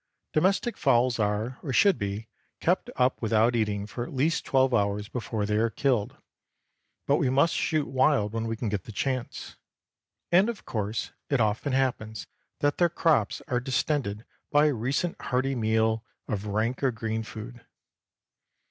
Domestic fowls are, or should be, kept up without eating for at least twelve hours before they are killed; but we must shoot wild when we can get the chance, and of course it often happens that their crops are distended by a recent hearty meal of rank or green food.